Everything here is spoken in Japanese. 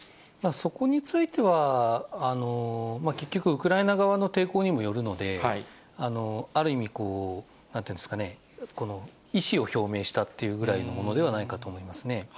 そこについては、結局、ウクライナ側の抵抗にもよるので、ある意味、なんていうんですかね、意思を表明したっていうぐらいのものではないかと思いますね。